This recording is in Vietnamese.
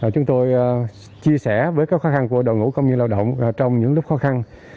chúng tôi chia sẻ với các khó khăn của đội ngũ công nhân lao động trong những lúc khó khăn